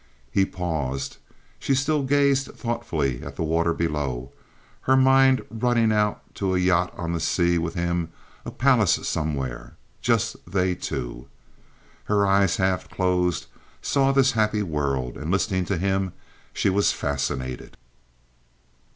He paused. She still gazed thoughtfully at the water below, her mind running out to a yacht on the sea with him, a palace somewhere—just they two. Her eyes, half closed, saw this happy world; and, listening to him, she was fascinated.